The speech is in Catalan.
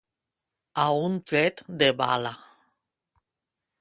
A un tret de bala.